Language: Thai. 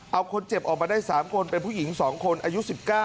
เอาคนเจ็บออกมาได้๓คนเป็นผู้หญิง๒คนอายุ๑๙